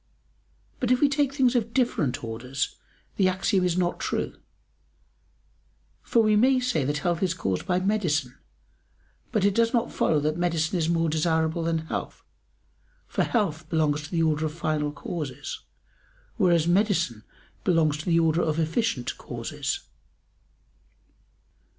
But if we take things of different orders the axiom is not true: for we may say that health is caused by medicine, but it does not follow that medicine is more desirable than health, for health belongs to the order of final causes, whereas medicine belongs to the order of efficient causes.